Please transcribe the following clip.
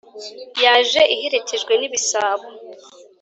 yaje iherekejwe n' ibisabo